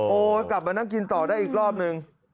กลับมานั่งกินต่อได้อีกรอบนึง